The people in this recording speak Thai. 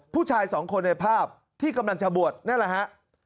ผู้ชายสองคนในภาพที่กำลังจะบวชนั่นแหละฮะ